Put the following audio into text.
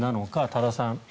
多田さん。